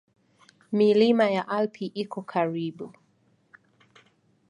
Milima ya Alpi iko karibu.